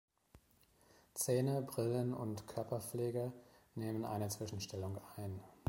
Zähne, Brillen und Körperpflege nehmen eine Zwischenstellung ein.